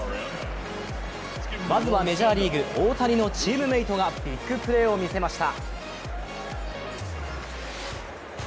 まずはメジャーリーグ、大谷のチームメートがビッグプレーをみせました。